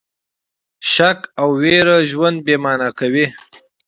شک او ویره ژوند بې مانا کوي.